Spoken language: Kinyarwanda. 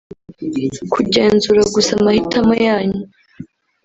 Kugenzura gusa amahitamo yanyu